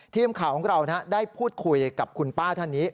ทีมข่าวของเราได้พูดคุยกับคุณป้าท่านนี้